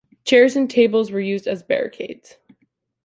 Chairs and tables were used as barricades.